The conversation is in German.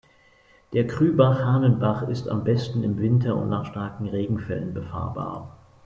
Der Kyrbach–Hahnenbach ist am besten im Winter und nach starken Regenfällen befahrbar.